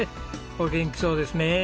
お元気そうですねえ。